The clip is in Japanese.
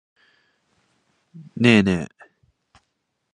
ねえねえ。